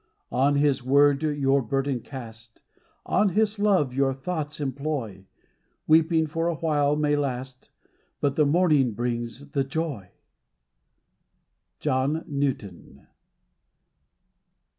On His word your burden cast, On His love your thoughts employ : Weeping for a while may last, But the morning brings the joy. John Newton.